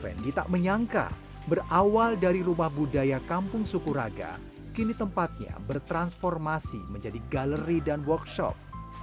fendi tak menyangka berawal dari rumah budaya kampung sukuraga kini tempatnya bertransformasi menjadi galeri dan workshop